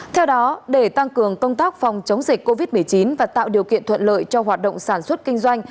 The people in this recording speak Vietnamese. theo đó để tăng cường công tác phòng chống dịch covid một mươi chín và tạo điều kiện thuận lợi cho hoạt động sản xuất kinh doanh